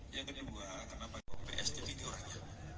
yang kedua kenapa ps jadi diorangnya